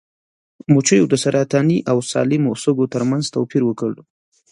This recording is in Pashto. مچیو د سرطاني او سالمو سږو ترمنځ توپیر وکړ.